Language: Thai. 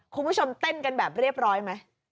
คุณผู้ชมเต้นกันแบบเรียบร้อยไหม